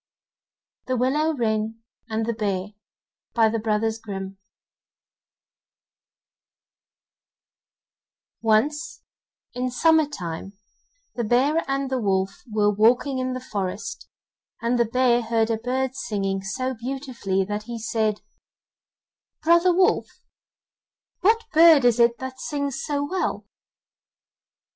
THE WILLOW WREN AND THE BEAR Once in summer time the bear and the wolf were walking in the forest, and the bear heard a bird singing so beautifully that he said: 'Brother wolf, what bird is it that sings so well?